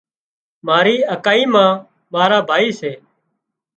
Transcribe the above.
مارِي اڪائي مان مارا ڀائي سي